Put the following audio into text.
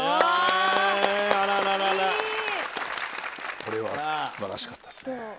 これは素晴らしかったですね。